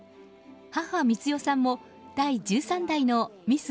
母・光代さんも第１３代のミス